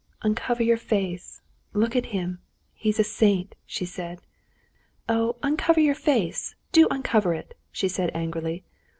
"Uncover your face—look at him! He's a saint," she said. "Oh! uncover your face, do uncover it!" she said angrily.